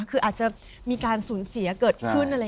คืออาจจะมีการสูญเสียเกิดขึ้นอะไร